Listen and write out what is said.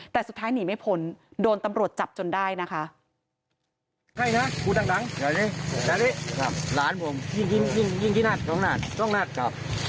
แต่สุดท้ายหนีไม่พ้นโดนตำรวจจับจนได้นะคะ